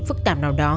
phức tạp nào đó